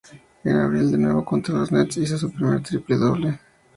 En abril, de nuevo contra los Nets, hizo su primer triple-doble.